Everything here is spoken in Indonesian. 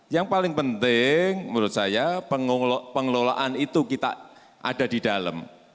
yang paling penting menurut saya pengelolaan itu kita ada di dalam